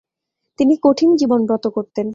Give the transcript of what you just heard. তিনি কঠিন জীবনব্রত করতেন।